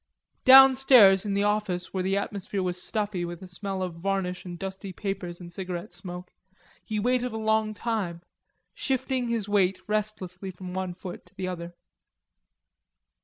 Downstairs in the office where the atmosphere was stuffy with a smell of varnish and dusty papers and cigarette smoke, he waited a long time, shifting his weight restlessly from one foot to the other.